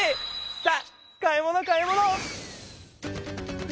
さあ買い物買い物！